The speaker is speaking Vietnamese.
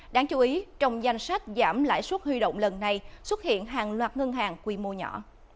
đáng chú ý trong danh sách giảm lãi suất huy động lần này xuất hiện hàng loạt ngân hàng quy mô nhỏ